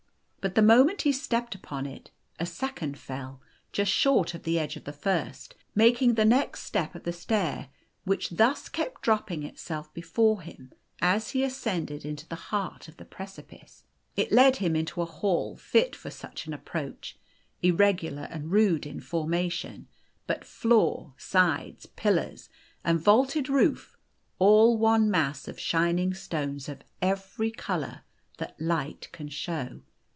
But the moment he stepped upon it, a second fell, just short of the edge of the first, making the next step of a stair, which thus kept dropping itself before him as he ascended into the heart of the precipice. It led him into a hall fit for such an approach irregular and rude in formation, but floor, sides, pillars, and vaulted roof, all one mass of shining stones of every colour that light can show.